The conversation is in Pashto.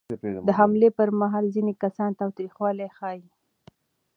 د حملې پر مهال ځینې کسان تاوتریخوالی ښيي.